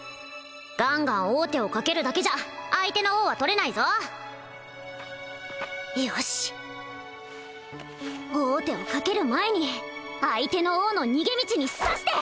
ガンガン王手をかけるだけじゃ相手の王は取れないぞよしっ王手をかける前に相手の王の逃げ道に指して！